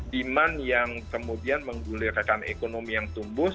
demand yang kemudian menggulirkan ekonomi yang tumbuh